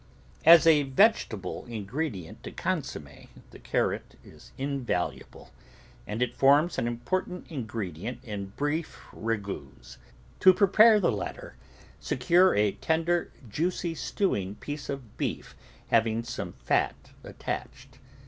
As a vegetable ingredient to consomme the carrot is invaluable, and it forms an important in gredient in beef ragouts. To prepare the latter, se cure a tender, juicy stewing piece of beef having some fat attached.